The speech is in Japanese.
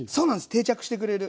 定着してくれる。